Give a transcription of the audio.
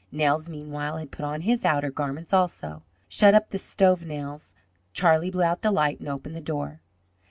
Nels, meanwhile, had put on his outer garments, also. "Shut up the stove, Nels." Charlie blew out the light and opened the door.